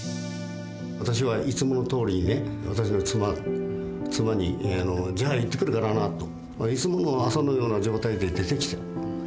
私はいつものとおりにね私の妻に「じゃあ行ってくるからな」といつもの朝のような状態で出てきた。